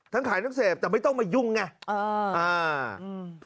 ทั้งขายก็เสพแต่ไม่ต้องมาหยุ่งไง